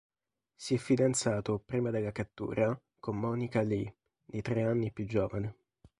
Si è fidanzato, prima della cattura, con Monica Lee, di tre anni più giovane.